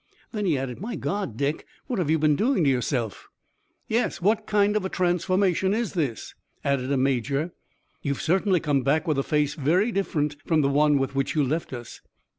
Then he added: "My God, Dick, what have you been doing to yourself?" "Yes, what kind of a transformation is this?" added a major. "You've certainly come back with a face very different from the one with which you left us!"